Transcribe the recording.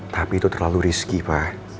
tapi itu terlalu rizki pak